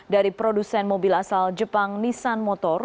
dari produsen mobil asal jepang nissan motor